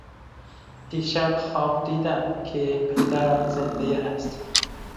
دیشب خواب دیدم که پدرم زنده است.